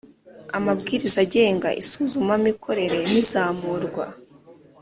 Amabwiriza agenga isuzumamikorere n izamurwa